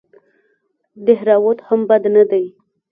دهراوت هم بد نه دئ.